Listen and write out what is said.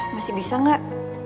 masih bisa gak